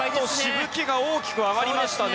しぶきが大きく上がりましたね。